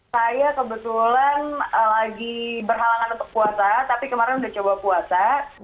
saya kebetulan lagi berhalangan untuk puasa tapi kemarin udah coba puasa